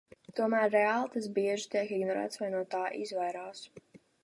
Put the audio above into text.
Tomēr reāli tas bieži tiek ignorēts vai no tā izvairās.